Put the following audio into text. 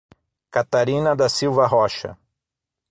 Catarina da Silva Rocha